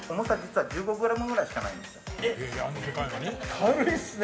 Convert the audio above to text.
軽いですね！